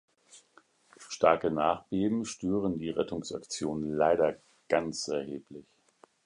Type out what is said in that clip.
Starke Nachbeben stören die Rettungsaktionen leider ganz erheblich.